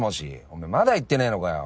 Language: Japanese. おめぇまだ行ってねぇのかよ。